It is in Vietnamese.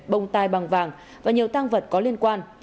bông tai bằng vàng và nhiều tăng vật có liên quan